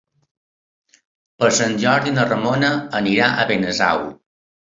Per Sant Jordi na Ramona anirà a Benasau.